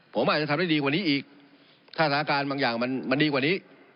ผมอาจจะทำได้ดีกว่านี้อีกถ้าสถานการณ์บางอย่างมันดีกว่านี้